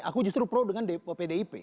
aku justru pro dengan pdip